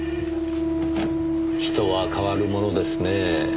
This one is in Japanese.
人は変わるものですねぇ。